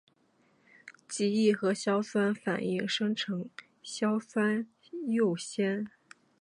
极易和硝酸反应生成硝酸铀酰。